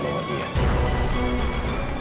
saya gak akan biarin orang nuevo dia